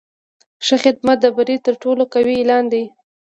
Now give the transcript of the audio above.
ښه خدمت د بری تر ټولو قوي اعلان دی.